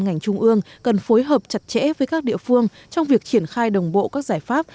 ngành trung ương cần phối hợp chặt chẽ với các địa phương trong việc triển khai đồng bộ các giải pháp